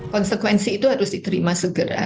konsekuensi itu harus diterima segera